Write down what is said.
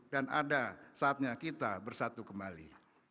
dan ada saatnya kita bersatu kembali